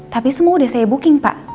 tapi semua udah saya booking pak